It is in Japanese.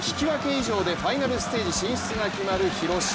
以上でファイナルステージ進出が決まる広島。